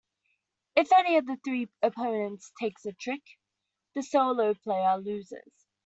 If any of the three opponents takes a trick, the solo player loses.